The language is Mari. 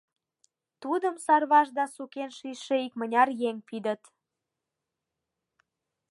Тудым Сарваш да сукен шичше икмыняр еҥ пидыт.